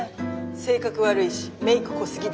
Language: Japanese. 性格悪いしメーク濃すぎだし。